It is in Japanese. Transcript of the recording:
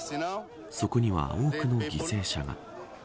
そこには多くの犠牲者が。